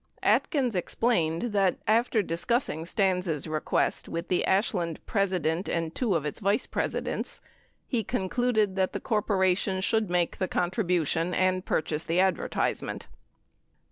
Atkins explained that after discussing Stans' request with the Ashland presi dent and two of its vice presidents, he concluded that the corporation should make the contribution and purchase the advertisement.